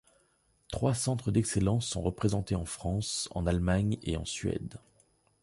Trois centres d’excellence sont représentés en France, en Allemagne et en Suède.